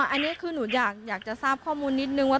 อันนี้คือหนูอยากจะทราบข้อมูลนิดนึงว่า